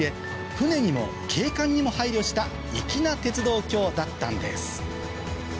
船にも景観にも配慮した粋な鉄道橋だったんです